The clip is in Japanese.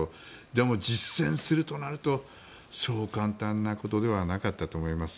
でも、実践するとなるとそう簡単なことではなかったと思います。